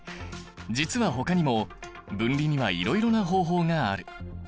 実はほかにも分離にはいろいろな方法がある。